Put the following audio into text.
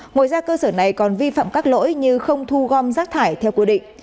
ngoài ra cơ sở này còn vi phạm các lỗi như không thu gom rác thải theo quy định